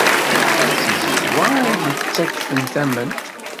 D tizizwa ay d-yettakfen tamemt.